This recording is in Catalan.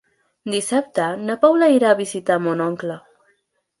Dissabte na Paula irà a visitar mon oncle.